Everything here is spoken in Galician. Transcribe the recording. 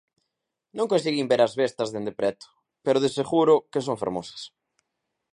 Non conseguín ver as bestas dende preto, pero de seguro que son fermosas.